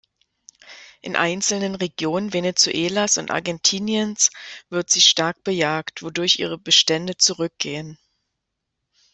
In einzelnen Regionen Venezuelas und Argentiniens wird sie stark bejagt, wodurch ihre Bestände zurückgehen.